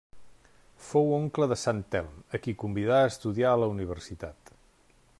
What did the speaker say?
Fou oncle de Sant Telm, a qui convidà a estudiar a la universitat.